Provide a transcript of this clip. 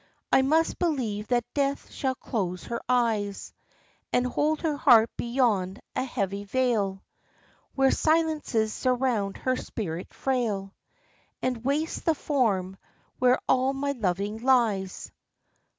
I must believe that death shall close her eyes, And hold her heart beyond a heavy veil, Where silences surround her spirit frail And waste the form where all my loving lies.